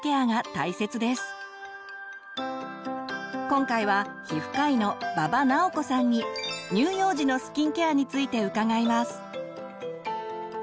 今回は皮膚科医の馬場直子さんに乳幼児のスキンケアについて伺います。